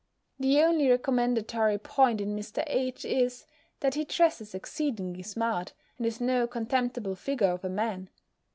The only recommendatory point in Mr. H. is, that he dresses exceedingly smart, and is no contemptible figure of a man.